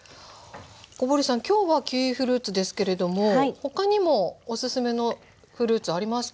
小堀さん今日はキウイフルーツですけれども他にもおすすめのフルーツありますか？